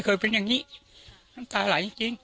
คือพ่อคิดว่า